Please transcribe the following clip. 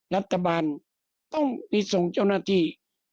รัฐบาลต้องไปส่งเจ้าหน้าที่